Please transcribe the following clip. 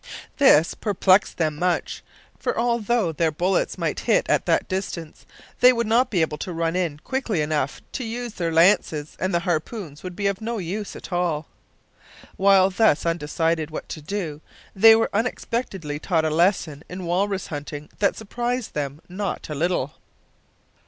This perplexed them much, for although their bullets might hit at that distance, they would not be able to run in quick enough to use their lances, and the harpoons would be of no use at all. While thus undecided what to do, they were unexpectedly taught a lesson in walrus hunting that surprised them not a little.